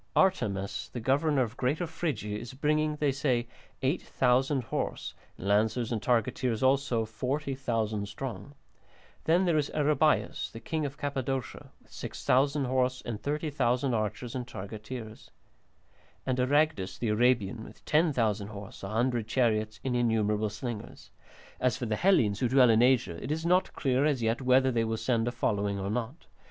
Artamas the governor of Greater Phrygia is bringing, they say, 8000 horse, and lancers and targeteers also, 40,000 strong. Then there is Aribaius the king of Cappadocia with 6000 horse and 30,000 archers and targeteers. And Aragdus the Arabian with 10,000 horse, a hundred chariots, and innumerable slingers. As for the Hellenes who dwell in Asia, it is not clear as yet whether they will send a following or not.